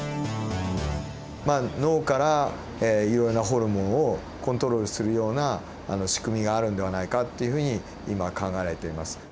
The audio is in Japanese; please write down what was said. まあ脳からいろいろなホルモンをコントロールするような仕組みがあるんではないかっていうふうに今考えられています。